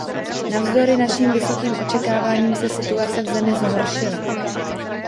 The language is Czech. Navzdory našim vysokým očekáváním se situace v zemi zhoršila.